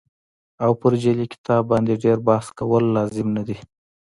او پر جعلي کتاب باندې ډېر بحث کول لازم نه دي.